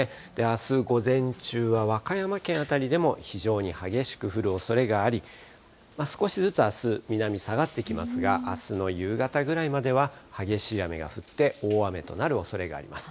あす午前中は、和歌山県辺りでも非常に激しく降るおそれがあり、少しずつあす、南に下がってきますが、あすの夕方ぐらいまでは激しい雨が降って、大雨となるおそれがあります。